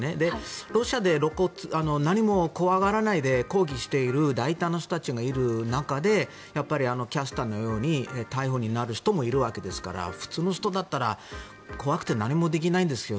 ロシアで何も怖がらないで抗議している大胆な人たちがいる中でキャスターのように逮捕になる人もいるわけですから普通の人だったら怖くて何もできないんですよ。